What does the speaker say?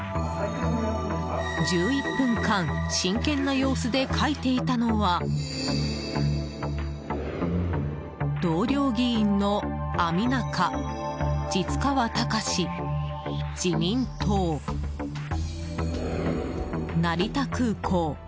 １１分間真剣な様子で書いていたのは同僚議員の「網中」、「實川隆」「自民党」「成田空港」